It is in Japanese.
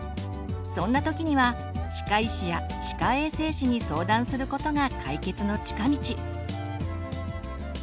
そんな時には歯科医師や歯科衛生士に相談することが解決の近道。